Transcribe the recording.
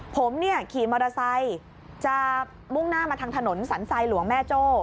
ผมเนี่ยขี่มอเตอร์ไซค์จะมุ่งหน้ามาทางถนนสันทรายหลวงแม่โจ้